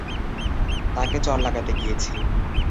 তাকে চড় লাগাতে গিয়েছি।